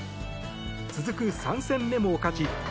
続く３戦目も勝ち